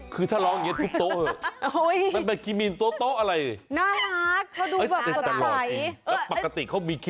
คือถ้าร้องเท่าแบบนี้ทุดโต๊ะเผ่เบื่อ